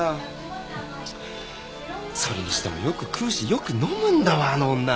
それにしてもよく食うしよく飲むんだわあの女。